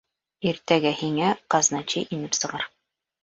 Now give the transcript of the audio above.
Иртәгә һиңә казначей инеп сығыр.